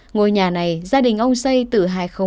ngôi nhà này gia đình ông xây từ hai nghìn một mươi